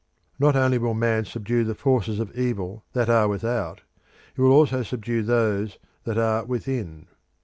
Not only will Man subdue the forces of evil that are without; he will also subdue those that are within.